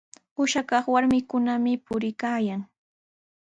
Ishakaq warmikunami puriykaayan.